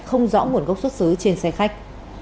không rõ nguồn gốc xuất xứ trên xe khách